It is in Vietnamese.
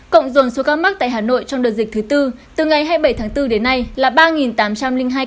cộng dồn số ca mắc tại hà nội trong đợt dịch thứ tư từ ngày hai mươi bảy tháng bốn đến nay là ba tám trăm linh hai ca